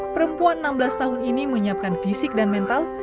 perempuan enam belas tahun ini menyiapkan fisik dan mental